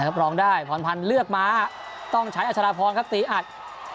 ร้องได้พรพันธ์เลือกม้าต้องใช้อัชราพรครับตีอัด